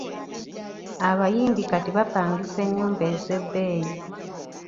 Abayimbi kati bapangisa ennyumba ez’ebbeeyi.